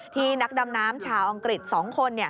นักดำน้ำชาวอังกฤษ๒คน